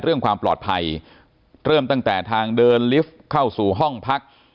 เรื่องความปลอดภัยเริ่มตั้งแต่ทางเดินลิฟท์เข้าสู่ห้องพัก